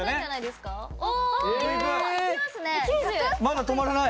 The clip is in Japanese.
まだ止まらない。